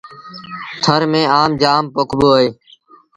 ٿر ميݩ آم جآم پوکبو اهي۔